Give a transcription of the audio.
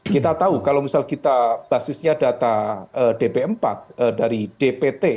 kita tahu kalau misal kita basisnya data dp empat dari dpt